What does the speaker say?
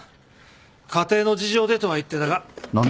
家庭の事情でとは言ってたが。